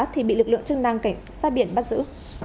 thì bị lực lượng chức năng cảnh sát biển bắt giữ